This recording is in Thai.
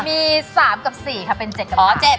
มี๓กับ๔ค่ะเป็น๗กับ๕